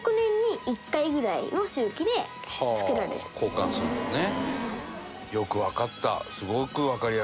交換するんだね。